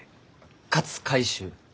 勝海舟。